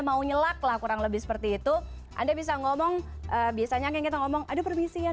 mau nyelak lah kurang lebih seperti itu anda bisa ngomong biasanya kayak kita ngomong ada permisian